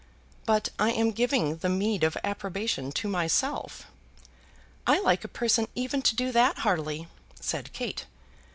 "But I am giving the meed of approbation to myself." "I like a person even to do that heartily," said Kate.